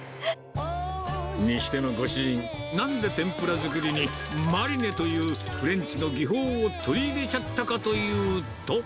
にしても、ご主人、なんで天ぷら作りに、マリネというフレンチの技法を取り入れちゃったかというと。